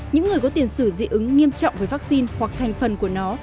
những người có tiền sử dị ứng nghiêm trọng với vaccine hoặc thành phần của nó